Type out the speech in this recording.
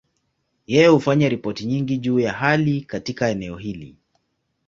Yeye hufanya ripoti nyingi juu ya hali katika eneo hili.